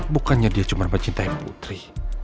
bukannya dia cuma pencinta yang putri